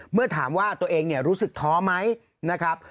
เมื่อถามว่าตัวเองรู้สึกท้อไหมนะครับ